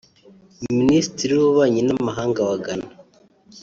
Minisitiri w’Ububanyi n’Amahanga wa Ghana